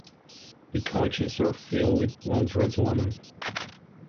The coaches are filled with well dressed women.